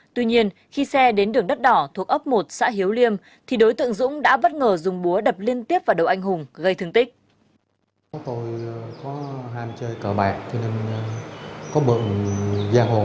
tuy nhiên khi xe đến đường đất đỏ thuộc ấp một xã hiếu liêm thì đối tượng dũng đã bất ngờ dùng búa đập liên tiếp vào đầu anh hùng gây thương tích